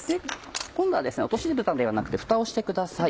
今度は落としぶたではなくてふたをしてください。